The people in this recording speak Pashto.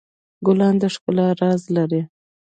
ګلان د ښکلا راز لري.